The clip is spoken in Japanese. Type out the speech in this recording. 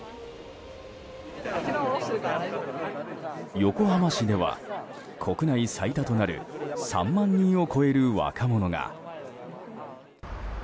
横浜市では、国内最多となる３万人を超える若者が。